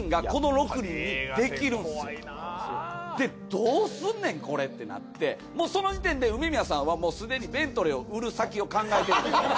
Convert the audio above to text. どうすんねんこれってなってもうその時点で梅宮さんはすでにベントレーを売る先を考えてる。